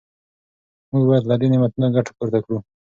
موږ باید له دې نعمتونو ګټه پورته کړو.